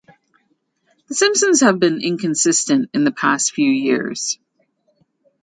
The Simpsons have been inconsistent in the past few years.